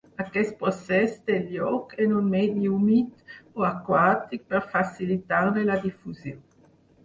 Aquest procés té lloc en un medi humit o aquàtic per facilitar-ne la difusió.